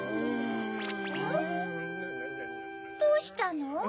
どうしたの？